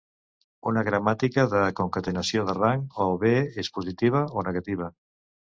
Una gramàtica de concatenació de rang o bé és positiva o negativa.